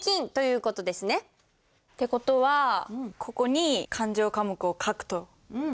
って事はここに勘定科目を書くと。